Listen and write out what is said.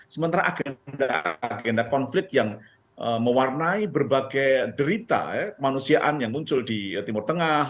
sementara agenda agenda konflik yang mewarnai berbagai derita kemanusiaan yang muncul di timur tengah